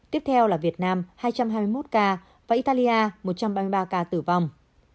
tiếp theo là việt nam hai trăm hai mươi một ca và italia một trăm ba mươi ba ca tử vong